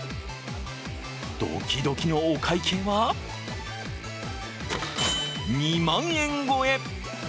ドキドキのお会計は２万円超え。